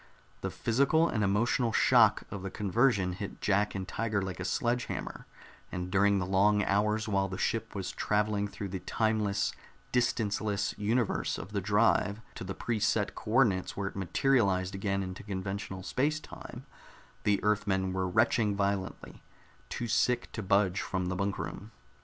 The physical and emotional shock of the conversion hit Jack and Tiger like a sledge hammer, and during the long hours while the ship was traveling through the time less, distance less universe of the drive to the pre set co ordinates where it materialized again into conventional space time, the Earthmen were retching violently, too sick to budge from the bunk room.